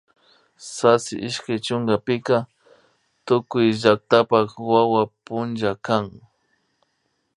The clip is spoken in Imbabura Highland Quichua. Sasi ishkay chunkapika tukuy llaktapak wawapa punlla kan